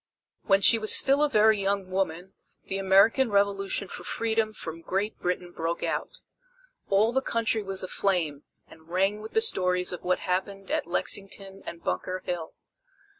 When she was still a very young woman the American Revolution for freedom from Great Britain broke out. All the country was aflame, and rang with the stories of what happened at Lexington and Bunker Hill.